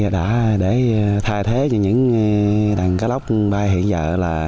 để thay thế cho những đàn cá lóc bay hiện giờ